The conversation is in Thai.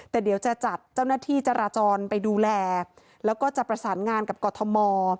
แต่เดี๋ยวจะจัดเจ้าหน้าที่จราจรไปดูแลแล้วก็จะประสานงานกับกรทม